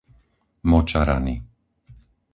Močarany